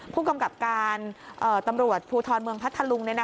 ผู้กำกับการตำรวจภูทรเมืองพัทธลุง